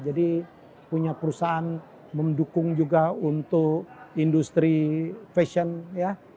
jadi punya perusahaan mendukung juga untuk industri fashion ya